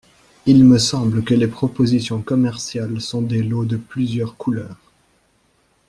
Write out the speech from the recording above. Il me semble que les propositions commerciales sont des lots de plusieurs couleurs.